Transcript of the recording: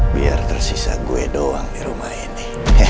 biar tersisa gue doang di rumah ini